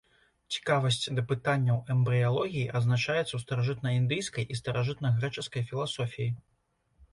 Цікавасць да пытанняў эмбрыялогіі адзначаецца ў старажытнаіндыйскай і старажытнагрэчаскай філасофіі.